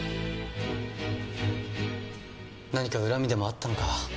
何か恨みでもあったのか？